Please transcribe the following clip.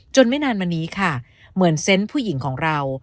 ไม่นานมานี้ค่ะเหมือนเซนต์ผู้หญิงของเรา